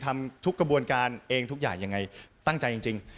ทำทุกกระบวนการเองทุกอย่างยังไงตั้งใจจริง